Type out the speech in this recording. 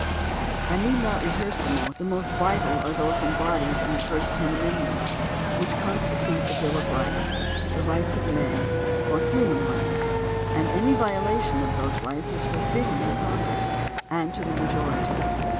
I need not rehearse them all; the most vital are those embodied in the first ten amend ments which constitute a bill of rights, the rights of men, or human rights, and any violation of those rights is forbidden to Congress and to the majority.